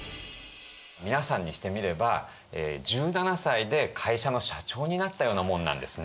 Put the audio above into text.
皆さんにしてみれば１７歳で会社の社長になったようなもんなんですね。